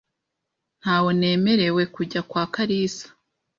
Ntawo nemerewe kujya kwa Kalisa.